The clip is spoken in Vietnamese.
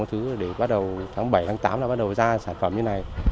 thứ để bắt đầu tháng bảy tháng tám là bắt đầu ra sản phẩm như này